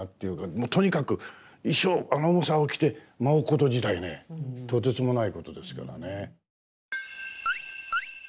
もうとにかく衣装あの重さを着て舞うこと自体ねとてつもないことですからね。